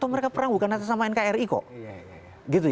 mereka perang bukan atas nama nkri kok